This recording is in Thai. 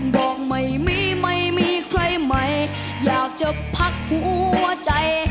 บอกไม่มีไม่มีใครใหม่อยากจะพักหัวใจ